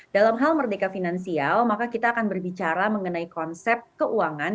dalam hal merdeka finansial maka kita akan berbicara mengenai konsep keuangan